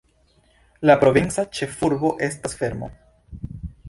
La provinca ĉefurbo estas Fermo.